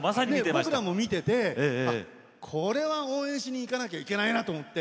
僕らも見ていましてこれは応援しに行かないといけないなと。